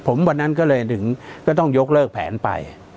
ผมวันนั้นก็เลยถึงก็ต้องยกเลิกแผนไป